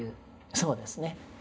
そうですね。